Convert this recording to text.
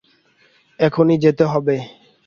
এখনই যেতে হবে।